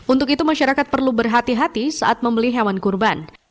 untuk itu masyarakat perlu berhati hati saat membeli hewan kurban